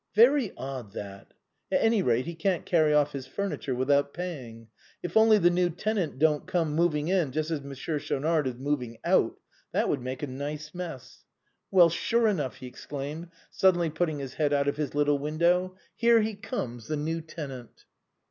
Very odd, that. At any rate, he can't carry off his furniture without paying. If only the new tenant don't come moving in just as Monsieur Schaunard is moving out ! 8 THE BOHEMIANS OF THE LATIN QUARTER. That would make a nice mess! Well, sure enough," he exclaimed, suddenly putting his head out of his little window, " here he comes, the new tenant